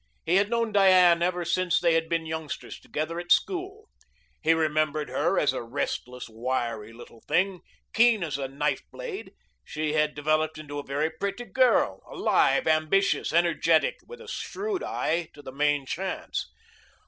He had known Diane ever since they had been youngsters together at school. He remembered her as a restless, wiry little thing, keen as a knife blade. She had developed into a very pretty girl, alive, ambitious, energetic, with a shrewd eye to the main chance.